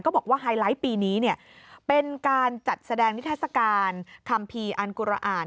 บอกว่าไฮไลท์ปีนี้เป็นการจัดแสดงนิทัศกาลคัมภีร์อันกุรอ่าน